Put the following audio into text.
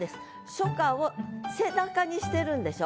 書架を背中にしてるんでしょ？